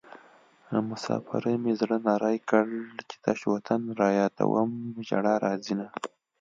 مسافرۍ مې زړه نری کړ چې تش وطن رايادوم ژړا راځينه